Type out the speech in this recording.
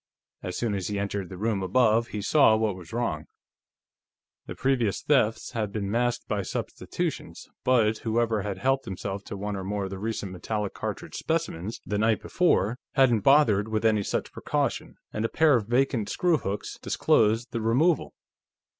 As soon as he entered the room above, he saw what was wrong. The previous thefts had been masked by substitutions, but whoever had helped himself to one of the more recent metallic cartridge specimens, the night before, hadn't bothered with any such precaution, and a pair of vacant screwhooks disclosed the removal.